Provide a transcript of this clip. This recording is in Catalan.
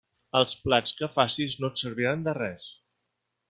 Els plans que facis no et serviran de res.